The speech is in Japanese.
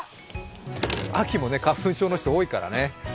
秋もね、花粉症の人多いからね。